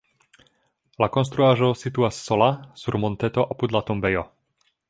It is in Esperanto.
La konstruaĵo situas sola sur monteto apud la tombejo.